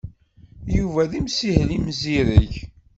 Yuba d imsihel imzireg.